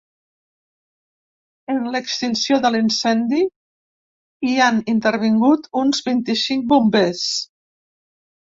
En l’extinció de l’incendi hi han intervingut uns vint-i-cinc bombers.